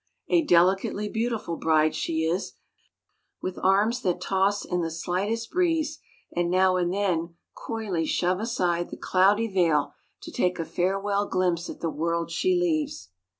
A delicately beautiful bride she is, with arms that toss in the slightest breeze and now and then coyly shove aside the cloudy veil to take a farewell glimpse at the world she leaves.